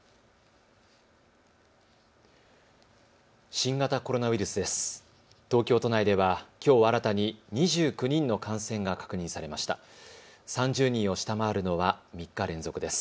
新型コロナウイルスです。